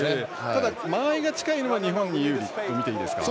ただ、間合いが近いのは日本に有利とみていいですか。